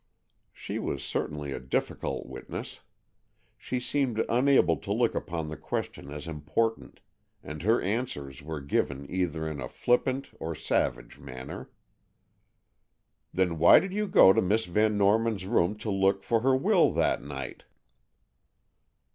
She was certainly a difficult witness. She seemed unable to look upon the questions as important, and her answers were given either in a flippant or savage manner. "Then why did you go to Miss Van Norman's room to look for her will that night?"